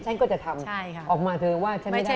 ฉันก็จะทำออกมาเธอว่าฉันไม่ได้